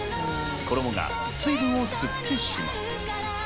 衣が水分を吸ってしまう。